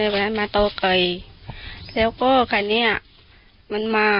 อะไรแบบนั้นมาต่อไก่แล้วก็แค่เนี้ยมันมา